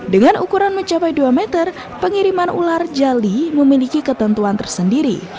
dengan ukuran mencapai dua meter pengiriman ular jali memiliki ketentuan tersendiri